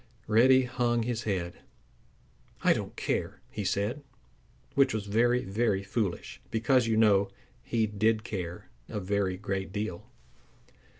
Reddy hung his head. "I don't care!" he said, which was very, very foolish, because, you know, he did care a very great deal.